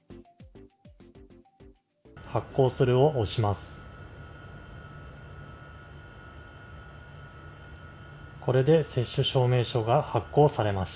「発行する」をします。